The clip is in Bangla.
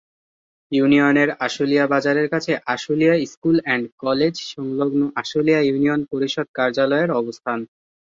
ইউনিয়নের আশুলিয়া বাজারের কাছে আশুলিয়া স্কুল এন্ড কলেজ সংলগ্ন আশুলিয়া ইউনিয়ন পরিষদ কার্যালয়ের অবস্থান।